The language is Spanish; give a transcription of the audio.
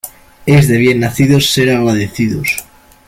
Es de bien nacidos ser agradecidos.